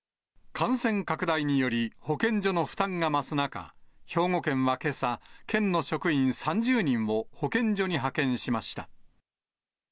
感染拡大により、保健所の負担が増す中、兵庫県はけさ、県の職員３０人を保健所に派遣しました。